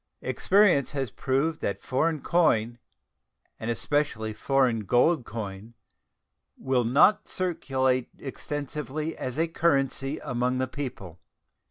Experience has proved that foreign coin, and especially foreign gold coin, will not circulate extensively as a currency among the people.